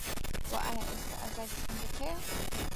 وه ئایا ئێستا ئازاری سنگت هەیە